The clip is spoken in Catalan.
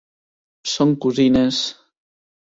Són cosines...